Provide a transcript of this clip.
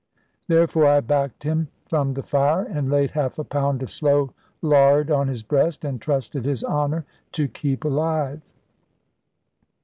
Therefore I backed him from the fire, and laid half a pound of slow lard on his breast, and trusted his honour to keep alive.